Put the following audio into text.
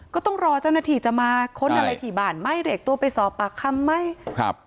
ก็ต้องรอเจ้าหน้าที่จะมาค้นอะไรที่บ้านไหมเรียกตัวไปสอบปากคำไหมครับ